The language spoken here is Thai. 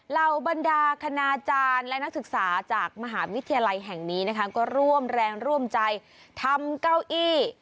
เหล่าบรรดาคณาจารย์และนักศึกษาจากมหาวิทยาลัยแห่งนี้นะคะก็ร่วมแรงร่วมใจทำเก้าอี้